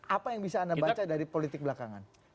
apa yang bisa anda baca dari politik belakangan